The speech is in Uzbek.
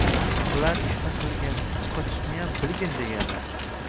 Qilar ishni qilgin, qochishniyam bilgin, deganlar